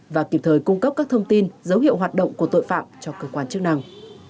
và kịp thời cung cấp các thông tin dấu hiệu hoạt động của tội phạm cho cơ quan chức năng